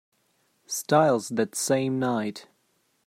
Styles that same night.